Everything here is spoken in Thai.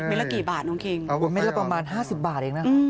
เมตรละกี่บาทน้องคิงเมตรละประมาณห้าสิบบาทเองน่ะอืม